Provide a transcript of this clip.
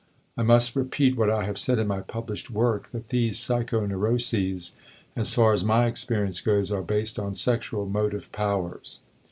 I must repeat what I have said in my published work, that these psychoneuroses, as far as my experience goes, are based on sexual motive powers.